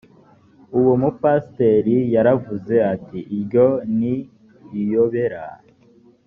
uwo mupasiteri yaravuze ati iryo ni iyobera